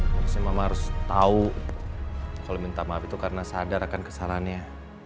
maksudnya mama harus tahu kalau minta maaf itu karena sadar akan kesalahannya